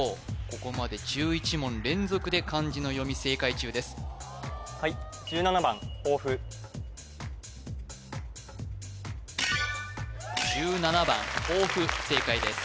ここまで１１問連続で漢字の読み正解中ですはい１７番ほうふ正解です